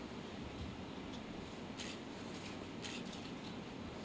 แต่ขวัญไม่สามารถสวมเขาให้แม่ขวัญได้